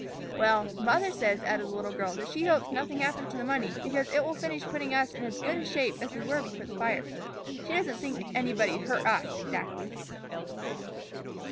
"Well, mother says," added the little girl, "that she hopes nothing happens to the money, because it'll finish putting us in as good shape as we were before the fire. She doesn't think anybody'd hurt us, exactly."